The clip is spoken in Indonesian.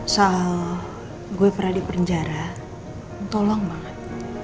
sah gue pernah di penjara tolong banget